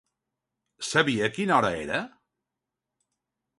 Sabia quina hora era?